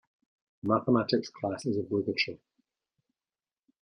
Mathematics class is obligatory.